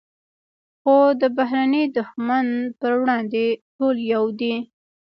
خو د بهرني دښمن پر وړاندې ټول یو دي.